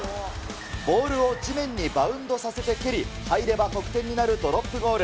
ボールを地面にバウンドさせて蹴り、入れば得点になるドロップゴール。